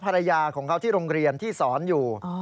ไปหาภรรยาที่โรงเรียนที่สอนอยู่